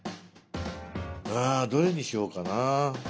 あどれにしようかな。